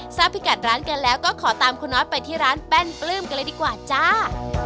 พิกัดร้านกันแล้วก็ขอตามคุณน้อยไปที่ร้านแป้นปลื้มกันเลยดีกว่าจ้า